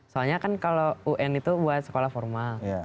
soalnya kan kalau un itu buat sekolah formal